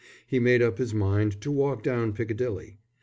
He made up his mind to walk down Piccadilly.